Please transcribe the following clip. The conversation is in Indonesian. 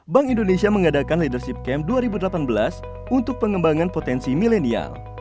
bank indonesia mengadakan leadership camp dua ribu delapan belas untuk pengembangan potensi milenial